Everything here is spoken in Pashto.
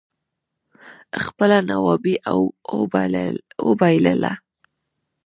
خپله نوابي اوبائلله